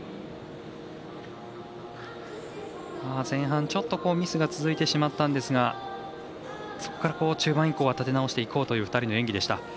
前半、ミスが続いてしまったんですがそこから中盤以降は立て直していこうという２人の演技でした。